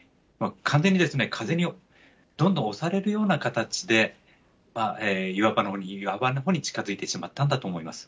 完全に風にどんどん押されるような形で、岩場のほうに岩場のほうに近づいてしまったんだと思います。